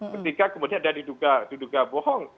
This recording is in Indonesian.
ketika kemudian ada diduga bohong